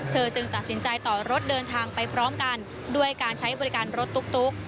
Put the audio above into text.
จึงตัดสินใจต่อรถเดินทางไปพร้อมกันด้วยการใช้บริการรถตุ๊ก